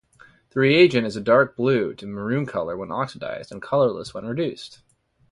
The reagent is a dark-blue to maroon color when oxidized, and colorless when reduced.